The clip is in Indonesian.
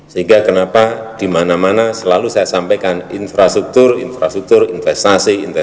sehingga kenapa di mana mana selalu saya sampaikan infrastruktur infrastruktur investasi